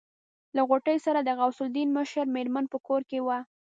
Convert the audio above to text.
له غوټۍ سره د غوث الدين مشره مېرمن په کور کې وه.